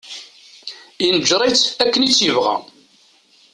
Inǧer-itt akken i tt-yebɣa.